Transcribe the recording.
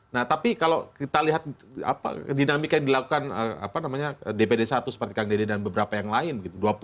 nah tapi kalau kita lihat dinamika yang dilakukan dpd satu seperti kang dede dan beberapa yang lain gitu